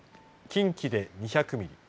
近畿で２００ミリ